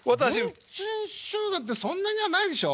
文珍師匠だってそんなにはないでしょう？